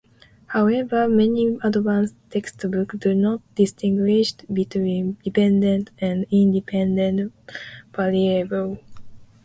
However, many advanced textbooks do not distinguish between dependent and independent variables.